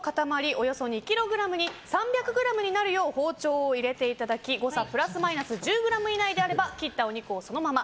およそ２ｋｇに３００ｇになるよう包丁を入れていただき誤差プラスマイナス１０ｇ以内であれば切ったお肉をそのまま。